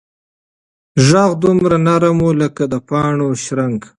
غږ دومره نرم و لکه د پاڼو شرنګ.